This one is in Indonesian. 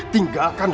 tinggalkan ruangan ini